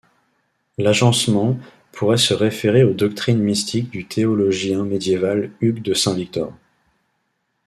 L'agencement pourrait se référer aux doctrines mystiques du théologien médiéval Hugues de Saint-Victor.